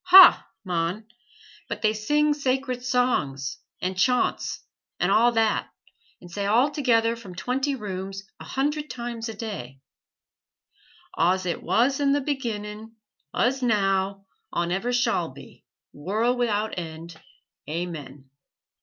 "Huh, mon! but they sing sacred songs, and chaunts, and a' that, and say all together from twenty rooms, a hundred times a day, 'Aws ut wuz in th' beginnin,' uz now awn ever shawl be, worl' wi'out end, Aamen.'